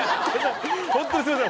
ホントにすいません